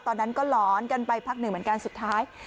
ตอนนั้นก็หลอนกันไปพักหนึ่งเหมือนกันสุดท้าย